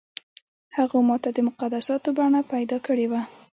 هغو ماته د مقدساتو بڼه پیدا کړې وه.